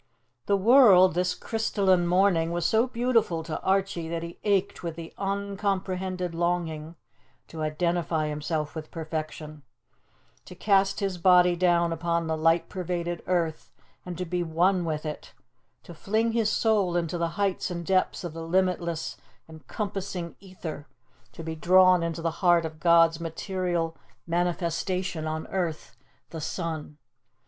The world, this crystalline morning, was so beautiful to Archie that he ached with the uncomprehended longing to identify himself with perfection; to cast his body down upon the light pervaded earth and to be one with it, to fling his soul into the heights and depths of the limitless encompassing ether, to be drawn into the heart of God's material manifestation on earth the sun.